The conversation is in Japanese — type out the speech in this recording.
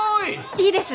いいです！